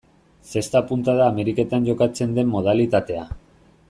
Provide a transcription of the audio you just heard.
Zesta-punta da Ameriketan jokatzen den modalitatea.